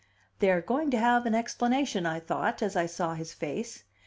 "They are going to have an explanation," I thought, as I saw his face.